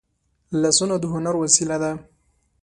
لاسونه د هنر وسیله ده